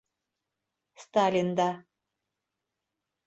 Сталин да.